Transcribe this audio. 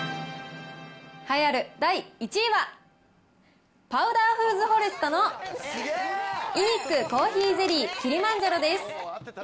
栄えある第１位は、パウダーフーズフォレストのイニックコーヒーゼリーキリマンジャロです。